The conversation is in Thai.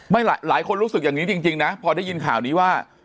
หลายคนรู้สึกอย่างนี้จริงนะพอได้ยินข่าวนี้ว่า